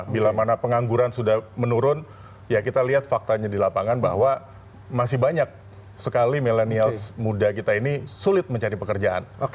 bila mana pengangguran sudah menurun ya kita lihat faktanya di lapangan bahwa masih banyak sekali milenial muda kita ini sulit mencari pekerjaan